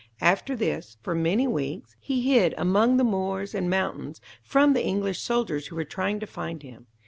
After this, for many weeks, he hid among the moors and mountains from the English soldiers who were trying to find him.